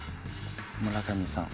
村上さん